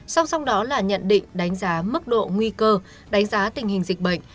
song song đó là nhận định đánh giá mức độ nguy cơ đánh giá tình hình dịch bệnh